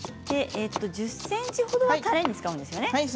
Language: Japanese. １０ｃｍ分は、たれに使うんですね。